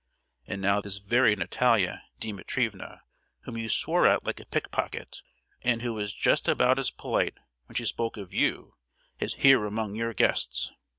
And now this very Natalia Dimitrievna, whom you swore at like a pickpocket, and who was just about as polite when she spoke of you, is here among your guests?